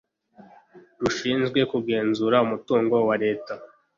rushinzwe kugenzura umutungo wareta